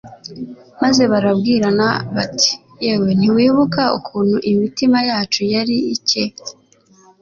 maze barabwirana bati: "Yewe ntiwibuka ukuntu imitima yacu yari ikcye,